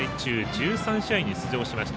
１３試合に出場しました。